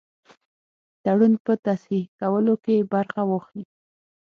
تړون په تصحیح کولو کې برخه واخلي.